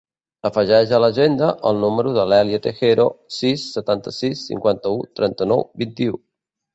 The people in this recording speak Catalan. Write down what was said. Afegeix a l'agenda el número de l'Èlia Tejero: sis, setanta-sis, cinquanta-u, trenta-nou, vint-i-u.